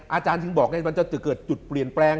อาจารย์ถึงบอกมันจะเกิดจุดเปลี่ยนแปลง